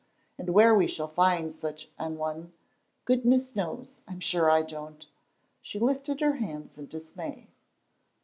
And where shall we find such an one goodness knows, I'm sure I don't," she lifted her hands in dismay.